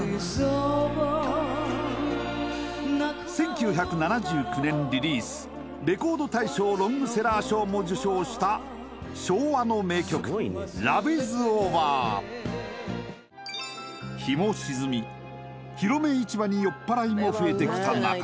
１９７９年リリースレコード大賞ロングセラー賞も受賞した昭和の名曲日も沈みひろめ市場に酔っ払いも増えてきた中